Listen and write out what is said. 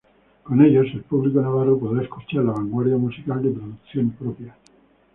Con ellos, el público navarro podrá escuchar la vanguardia musical de producción propia.